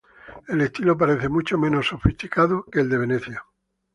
El estilo parece mucho menos sofisticado que el de Venecia.